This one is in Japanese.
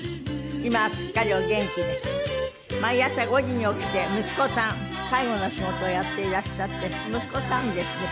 今はすっかりお元気で毎朝５時に起きて息子さん介護の仕事をやっていらっしゃって息子さんにですね